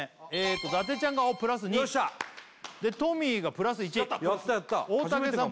伊達ちゃんがプラス２よっしゃトミーがプラス１やったプラス大竹さん